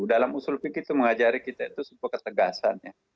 dalam usul fik itu mengajari kita itu sebuah ketegasannya